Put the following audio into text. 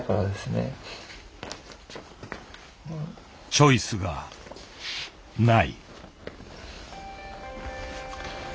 「チョイスが無い」。